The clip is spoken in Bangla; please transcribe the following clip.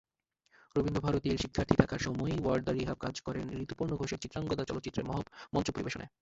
রবীন্দ্রভারতীর শিক্ষার্থী থাকার সময়েই ওয়ার্দা রিহাব কাজ করেন ঋতুপর্ণ ঘোষের চিত্রাঙ্গদা চলচ্চিত্রের মঞ্চপরিবেশনায়।